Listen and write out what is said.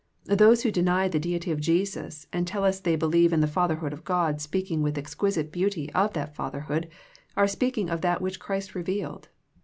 Those who deny the deity of Jesus and tell us they believe in the Fatherhood of God speaking with exquisite beauty of that fatherhood, are speaking of that which Christ revealed.